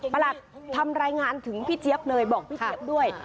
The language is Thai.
ประหลัดทำรายงานถึงพี่เจี๊ยบเลยบอกพี่เจี๊ยบด้วย